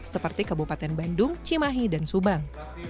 seperti kabupaten bandung cimahi dan subang